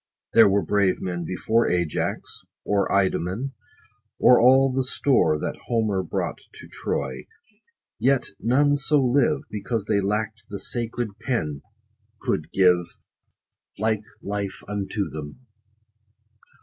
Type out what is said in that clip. There were brave men before Ajax, or Idomen, or all the store That Homer brought to Troy ; yet none so live, Because they lack'd the sacred pen could give Like life unto them.